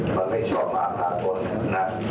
มันไม่ชอบมากทางคนนะครับ